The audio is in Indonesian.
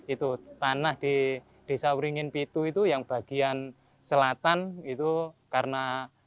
itu tanah di desa wringin pitu itu yang bagian selatan itu karena